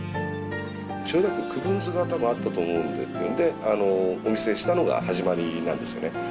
千代田区区分図がたぶんあったと思うんで、お見せしたのが始まりなんですよね。